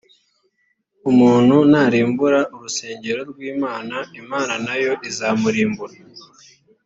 umuntu narimbura urusengero rw imana. imana na yo izamurimbura